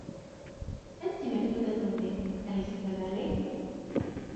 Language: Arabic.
أنتِ مفتونة به أليس كذلك؟